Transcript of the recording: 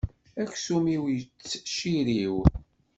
Aksum-iw yettciriw.